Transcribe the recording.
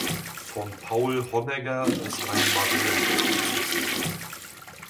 Von Paul Honegger ist ein Marienbild zu sehen.